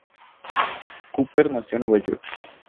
Cooper nació en Nueva York.